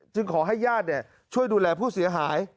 ขอให้ญาติช่วยดูแลผู้เสียหาย